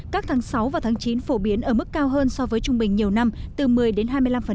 các tháng sáu và tháng chín phổ biến ở mức cao hơn so với trung bình nhiều năm từ một mươi đến hai mươi năm